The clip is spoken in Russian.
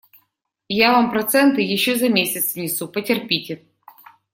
Я вам проценты еще за месяц внесу; потерпите.